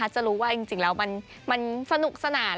จะรู้ว่าจริงแล้วมันสนุกสนาน